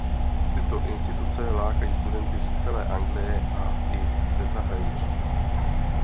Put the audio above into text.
Tyto instituce lákají studenty z celé Anglie a i ze zahraničí.